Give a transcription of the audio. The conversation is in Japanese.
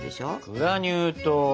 グラニュー糖。